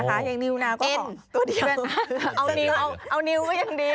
ตัวเดียวเอานิวก็ยังดี